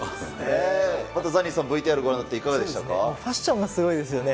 ザニーさん、ＶＴＲご覧になファッションがすごいですよね。